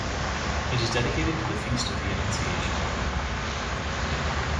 It is dedicated to the Feast of the Annunciation.